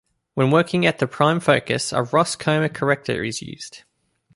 When working at the prime focus, a Ross coma corrector is used.